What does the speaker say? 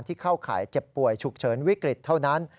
เข้าข่ายเจ็บป่วยฉุกเฉินวิกฤตเท่านั้น